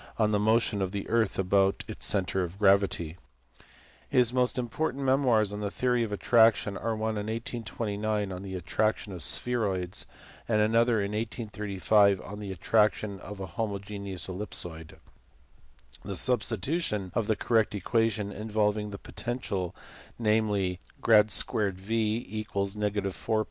1827 on the motion of the earth about its centre of gravity. His most important memoirs on the theory of attraction are one in 1829 on the attraction of spheroids, and another in 1835 on the attraction of a homogeneous ellipsoid: the substitution of the correct equation involving the potential, namely, V 2 F= 4?rp